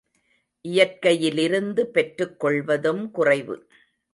இயற்கையிலிருந்து பெற்றுக் கொள்வதும் குறைவு.